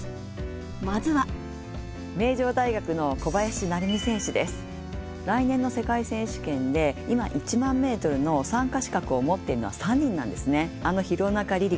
まずは来年の世界選手権で今１００００ｍの参加資格を持っているのは３人なんですね。